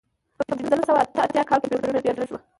په پنځلس سوه اته اتیا کال کې توپیرونه ډېر لږ و.